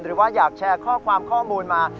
หรือว่าอยากแชร์ข้อความข้อมูลมา